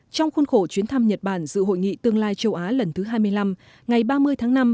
trong khuôn khổ chuyến thăm nhật bản dự hội nghị tương lai châu á lần thứ hai mươi năm ngày ba mươi tháng năm